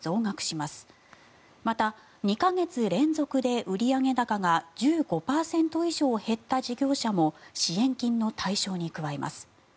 また、２か月連続で売上高が１５％以上減った事業者も支援金の対象に加えます。